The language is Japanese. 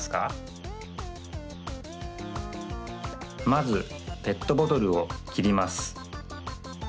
まずペットボトルをきります。